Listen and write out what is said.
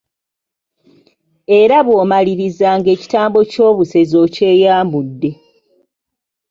Era bw’omaliriza ng’ekitambo ky’obusezi okyeyambudde.